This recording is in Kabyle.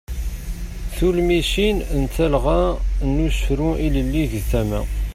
Tulmisin n talɣa n usefru ilelli deg tama.